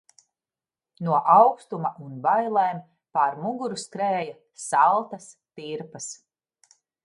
No aukstuma un bailēm pār muguru skrēja saltas tirpas.